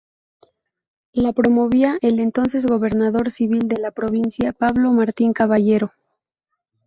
La promovía el entonces gobernador civil de la provincia, Pablo Martín Caballero.